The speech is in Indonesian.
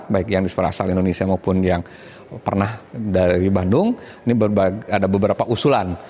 baik yang disper asal indonesia maupun yang pernah dari bandung ini ada beberapa usulan